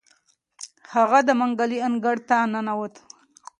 هغه د منګلي انګړ ته ننوت.